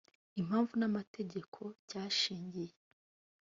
impamvu n amategeko cyashingiye